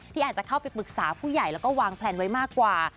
อาจจะเข้าไปปรึกษาผู้ใหญ่แล้วก็วางแพลนไว้มากกว่า